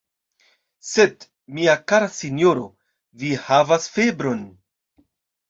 Sed, mia kara sinjoro, vi havas febron!